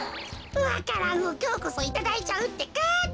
わか蘭をきょうこそいただいちゃうってか。